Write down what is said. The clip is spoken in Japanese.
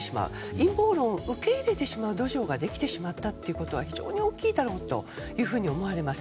陰謀論を受け入れてしまう土壌ができてしまったということが非常に大きいと思われます。